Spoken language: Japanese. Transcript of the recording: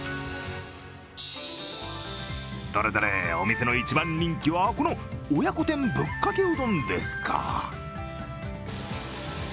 どれどれ、お店の一番人気はこの親子天ぶっかけうどんですか。